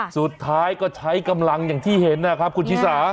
สุดท้ายก็ใช้กำลังอย่างที่เห็นนะครับคุณชิสา